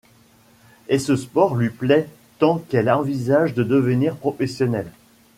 Et ce sport lui plaît tant qu'elle envisage de devenir professionnelle...